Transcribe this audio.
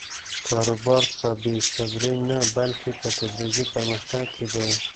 کاروبار په بې صبري نه، بلکې په تدریجي پرمختګ کې دی.